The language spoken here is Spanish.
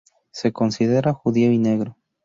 Se considera judío y negro.